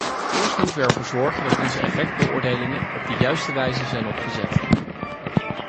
Eerst moeten we ervoor zorgen dat onze effectbeoordelingen op de juiste wijze zijn opgezet.